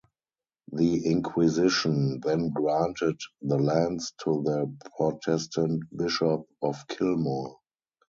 The Inquisition then granted the lands to the Protestant Bishop of Kilmore.